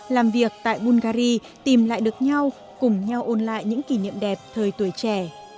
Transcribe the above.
làm việc tại bungary tìm lại được nhau cùng nhau ôn lại những kỷ niệm đẹp thời tuổi trẻ